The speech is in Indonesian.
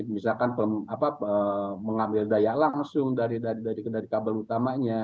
misalkan peng apa mengambil daya langsung dari kabel utamanya